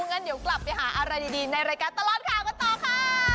งั้นเดี๋ยวกลับไปหาอะไรดีในรายการตลอดข่าวกันต่อค่ะ